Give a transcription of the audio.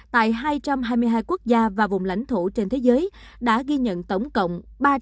tại hai trăm hai mươi hai quốc gia và vùng lãnh thổ trên thế giới đã ghi nhận tổng cộng